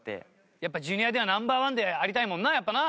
やっぱジュニアではナンバーワンでありたいもんなやっぱな。